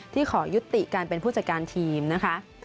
ขอยุติการเป็นผู้จัดการทีมนะคะ